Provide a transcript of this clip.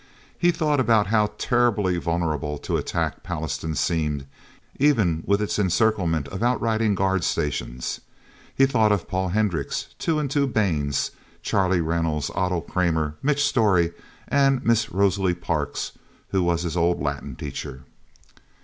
He thought about how terribly vulnerable to attack Pallastown seemed, even with its encirclement of outriding guard stations. He thought of Paul Hendricks, Two and Two Baines, Charlie Reynolds, Otto Kramer, Mitch Storey, and Miss Rosalie Parks who was his old Latin teacher.